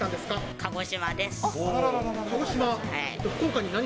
鹿児島？